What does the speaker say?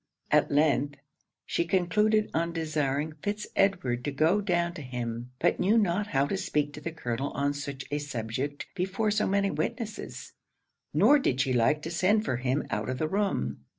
At length, she concluded on desiring Fitz Edward to go down to him; but knew not how to speak to the colonel on such a subject before so many witnesses, nor did she like to send for him out of the room.